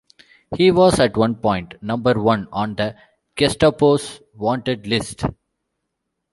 He was, at one point, number one on the Gestapo's wanted list.